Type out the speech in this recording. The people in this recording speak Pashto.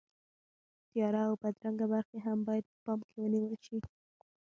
تیاره او بدرنګه برخې هم باید په پام کې ونیول شي.